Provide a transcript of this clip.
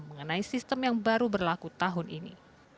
mengenai sistem yang baru berlaku tahun ini